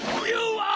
わ！